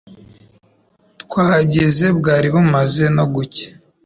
Twahageze bwari bumaze no gucya.